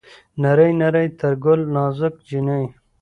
نرۍ نرى تر ګل نازکه جينۍ